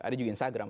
ada juga instagram